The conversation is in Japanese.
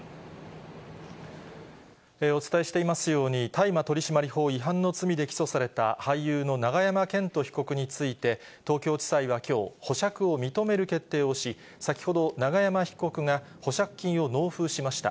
お伝えしていますように、大麻取締法違反の罪で起訴された俳優の永山絢斗被告について、東京地裁はきょう、保釈を認める決定をし、先ほど、永山被告が保釈金を納付しました。